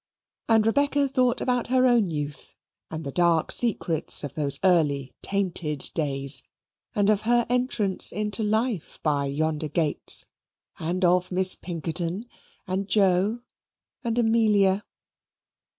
And Rebecca thought about her own youth and the dark secrets of those early tainted days; and of her entrance into life by yonder gates; and of Miss Pinkerton, and Joe, and Amelia.